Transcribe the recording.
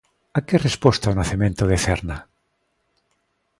A que resposta o nacemento de Cerna?